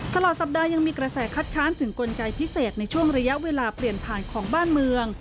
ตลอดสัปดาห์ยังมีกระแสคัดค้านถึงกลไกพิเศษในช่วงระยะเวลาเปลี่ยนผ่านของบ้านเมือง